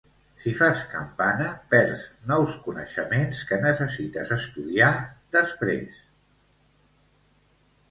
Si fas campana perds nous coneixements que necessites estudiar després